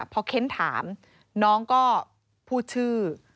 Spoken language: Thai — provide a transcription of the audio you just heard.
พอเค้นถามน้องก็พูดชื่อ